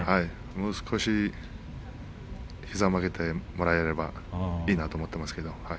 もう少し膝を曲げてもらえればいいと思います。